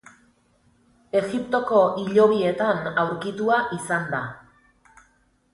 Egiptoko hilobietan aurkitua izan da.